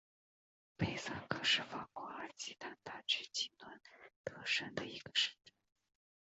佩萨克是法国阿基坦大区吉伦特省的一个市镇。